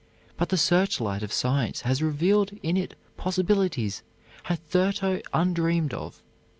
But the searchlight of science has revealed in it possibilities hitherto undreamed of.